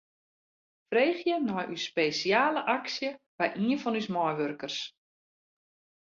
Freegje nei ús spesjale aksje by ien fan ús meiwurkers.